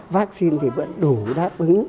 vaccine thì vẫn đủ đáp ứng